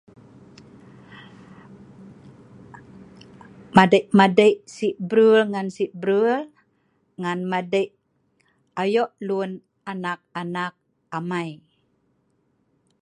Madei' madei' si brul ngan sibrul ngan madei ayo lun anak-anak amai.